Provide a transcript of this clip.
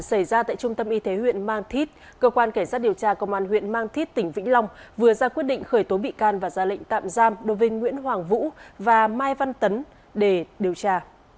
xảy ra tại trung tâm y tế huyện mang thít cơ quan cảnh sát điều tra công an huyện mang thít tỉnh vĩnh long vừa ra quyết định khởi tố bị can và ra lệnh tạm giam đối với nguyễn hoàng vũ và mai văn tấn để điều tra